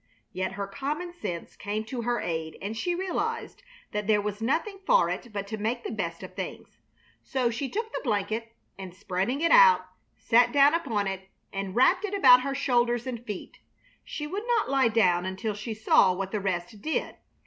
Yet her common sense came to her aid, and she realized that there was nothing for it but to make the best of things. So she took the blanket and, spreading it out, sat down upon it and wrapped it about her shoulders and feet. She would not lie down until she saw what the rest did.